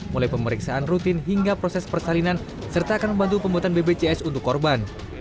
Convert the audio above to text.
mulai pemeriksaan rutin hingga proses persalinan serta akan membantu pembuatan bpjs untuk korban